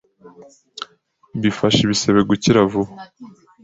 bifasha ibisebe gukira vuba